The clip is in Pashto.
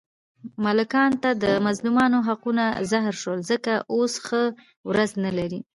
ملکانو ته د مظلومانو حقونه زهر شول، ځکه اوس ښه ورځ نه لري.